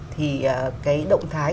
thì cái động thái